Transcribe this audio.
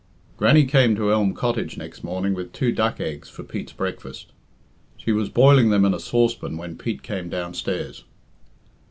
Grannie came to Elm Cottage next morning with two duck eggs for Pete's breakfast. She was boiling them in a saucepan when Pete came downstairs.